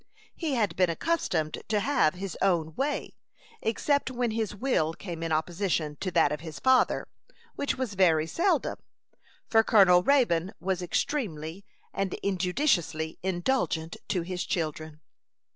He had been accustomed to have his own way, except when his will came in opposition to that of his father, which was very seldom, for Colonel Raybone was extremely and injudiciously indulgent to his children.